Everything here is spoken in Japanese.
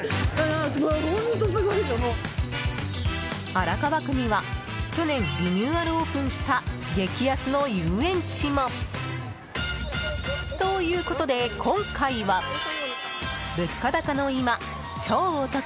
荒川区には去年リニューアルオープンした激安の遊園地も。ということで今回は物価高の今、超お得！